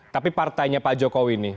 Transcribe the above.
tapi partainya pak jokowi nih